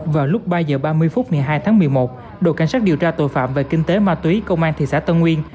vào lúc ba h ba mươi phút ngày hai tháng một mươi một đội cảnh sát điều tra tội phạm về kinh tế ma túy công an thị xã tân nguyên